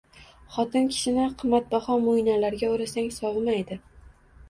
Xotin kishini qimmatbaho mo`ynalarga o`rasang sovimaydi